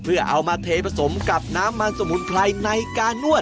เพื่อเอามาเทผสมกับน้ำมันสมุนไพรในการนวด